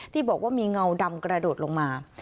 ที่บอกว่ามีเงาดำกระโดดลงมา